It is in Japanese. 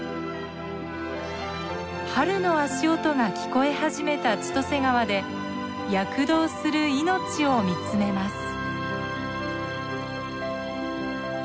春の足音が聞こえ始めた千歳川で躍動する命を見つめます。